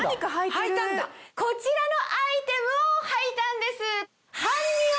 こちらのアイテムをはいたんです。